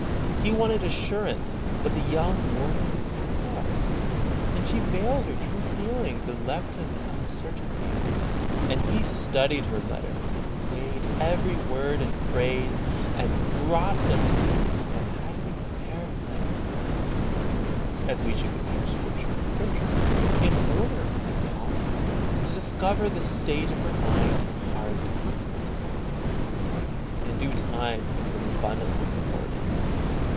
He wanted assurance, but the young woman was coy, and she veiled her true feelings and left him in uncertainty, and he studied her 104 HEART TALKS ON HOLINESS. letters and weighed every word and phrase and brought them to me, and had me compare letter with letter, as we should compare Scripture with Scripture, in order, if possible, to discover the state of her mind and heart and his prospects. In due time he was abundantly rewarded.